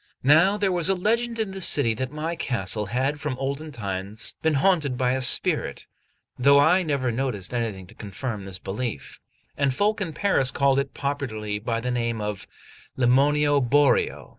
Now there was a legend in the city that my castle had from olden times been haunted by a spirit, though I never noticed anything to confirm this belief; and folk in Paris called it popularly by the name of Lemmonio Boreò.